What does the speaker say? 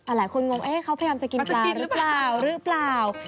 หลายคนงงเอ๊ะเขาพยายามจะกินปลาหรือเปล่า